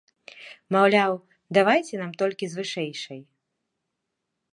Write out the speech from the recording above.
Маўляў, давайце нам толькі з вышэйшай.